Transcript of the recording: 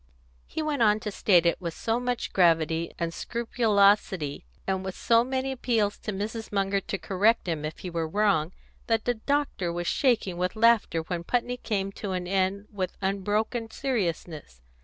He went on to state it, with so much gravity and scrupulosity, and with so many appeals to Mrs. Munger to correct him if he were wrong, that the doctor was shaking with laughter when Putney came to an end with unbroken seriousness.